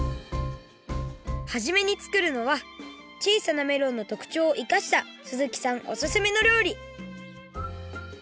はじめに作るのは小さなメロンのとくちょうをいかした鈴木さんおすすめのりょうり！